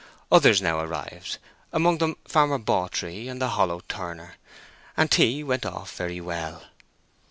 Others now arrived, among them Farmer Bawtree and the hollow turner, and tea went off very well.